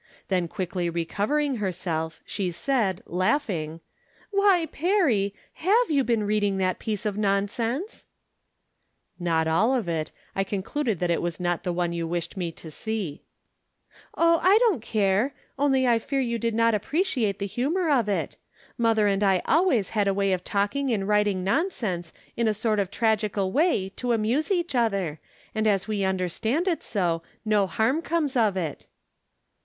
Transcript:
Then quickly recover ing herself, she said, laughing :" Why, Perry ! Save you been reading that piece of nonsense ?"" Not all of it. I concluded that it was not the one you wished me to see." " Oh, I don't care ; only I fear you did not ap preciate the humor of it. Mother and I always had a way of talking and writing nonsense in a sort of tragical way to amuse each other, and as we understand it so, no harm comes of it."